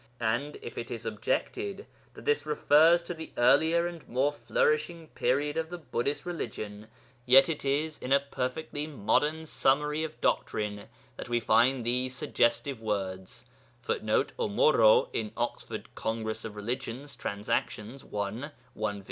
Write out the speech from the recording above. And if it is objected that this refers to the earlier and more flourishing period of the Buddhist religion, yet it is in a perfectly modern summary of doctrine that we find these suggestive words, [Footnote: Omoro in Oxford Congress of Religions, Transactions, i.